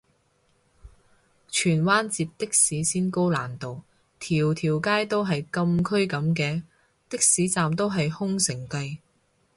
荃灣截的士先高難度，條條街都係禁區噉嘅？的士站都係空城計